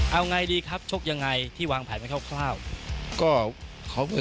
เอาไงดีครับชกยังไงที่วางแผนไว้คร่าว